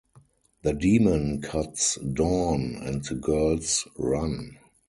The demon cuts Dawn and the girls run.